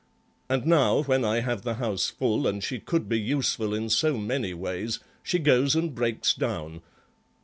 And now, when I have the house full, and she could be useful in so many ways, she goes and breaks down.